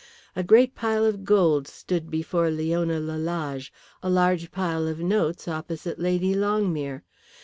A great pile of gold stood before Leona Lalage, a large pile of notes opposite Lady Longmere.